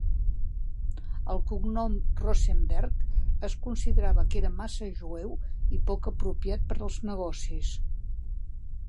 El cognom "Rosenberg" es considerava que era "massa jueu" i poc apropiat per als negocis.